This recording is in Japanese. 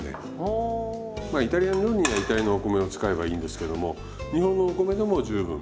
まあイタリアの料理にはイタリアのお米を使えばいいんですけども日本のお米でも十分。